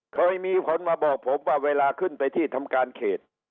เคยมีคนมาบอกผมว่าเวลาขึ้นไปที่ทำการเขต